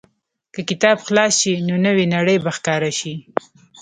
که کتاب خلاص شي، نو نوې نړۍ به ښکاره شي.